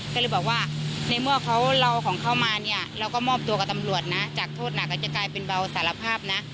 ก็เลยบอกว่าในเมื่อเขาเราเอาของเขามาเนี่ยเราก็มอบตัวกับตำรวจนะจากโทษหนักก็จะกลายเป็นเบาสารภาพนะ